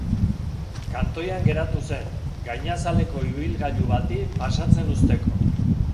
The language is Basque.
Kantoian geratu zen, gainazaleko ibilgailu bati pasatzen uzteko.